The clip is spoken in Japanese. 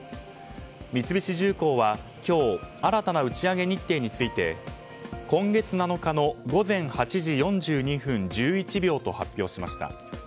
三菱重工は今日新たな打ち上げ日程について今月７日の午前８時４２分１１秒と発表しました。